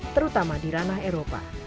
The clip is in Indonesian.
terutama di ranah eropa